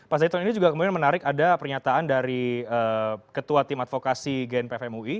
pak zaitun ini juga kemudian menarik ada pernyataan dari ketua tim advokasi gnpf mui